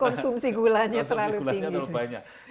konsumsi gulanya terlalu tinggi